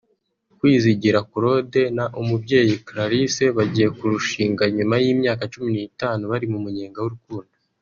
Kwizigira Claude na Umubyeyi Clarisse bagiye kurushinga nyuma y’imyaka cumi n’itanu bari mu munyenga w’urukundo